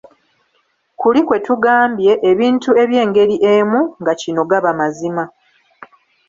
kuli kwe tugambye, ebintu eby'engeri emu nga kino gaba mazima.